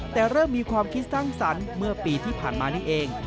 แต่เริ่มมีความคิดสร้างสรรค์เมื่อปีที่ผ่านมานี่เอง